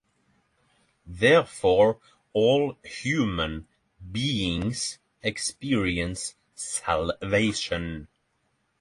Therefore, all human beings experience salvation.